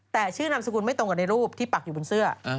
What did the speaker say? แต่ชื่อนามสกุลไม่ตรงกับในรูปที่ปักอยู่บนเสื้อ